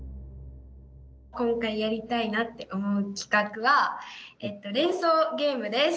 今回やりたいなって思う企画は「連想ゲーム」です。